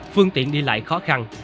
phương tiện đi lại khó khăn